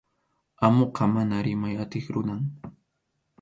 Amuqa mana rimay atiq runam.